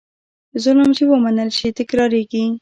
ظلم چې ومنل شي، تکرارېږي.